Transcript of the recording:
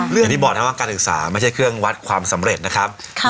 อย่างที่บอกนะครับว่าการศึกษาไม่ใช่เครื่องวัดความสำเร็จนะครับ